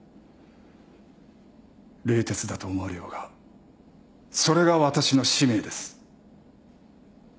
冷徹だと思われようがそれが私の使命です。